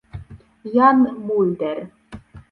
Jan Mulder